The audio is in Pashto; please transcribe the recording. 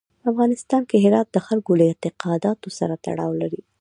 په افغانستان کې هرات د خلکو له اعتقاداتو سره تړاو لري.